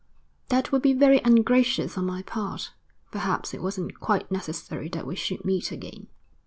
'That would be very ungracious on my part. Perhaps it wasn't quite necessary that we should meet again.'